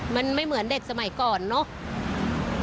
มันไม่เหมือนเด็กสมัยก่อนเนอะ